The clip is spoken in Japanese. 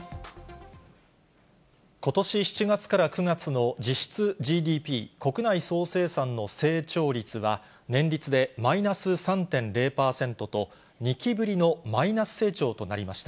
ことし７月から９月の実質ＧＤＰ・国内総生産の成長率は、年率でマイナス３．０％と、２期ぶりのマイナス成長となりました。